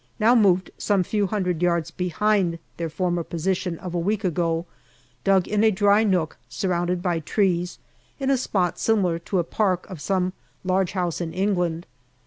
now moved some few hundred yards behind their former position of a week ago, dug in a dry nook surrounded by trees, in a spot similar to a park of some large house in England.